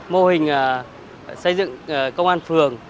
mô hình xây dựng công an phường